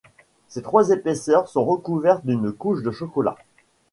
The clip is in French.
Ces trois épaisseurs sont recouvertes d'une couche de chocolat.